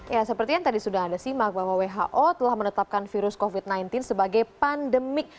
ya seperti yang tadi sudah anda simak bahwa who telah menetapkan virus covid sembilan belas sebagai pandemik